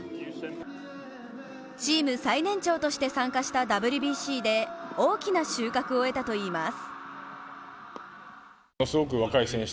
チーム最年長として参加したＷＢＣで大きな収穫を得たといいます。